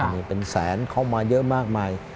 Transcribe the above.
นี่เป็นแสนเข้ามาเยอะมากมาย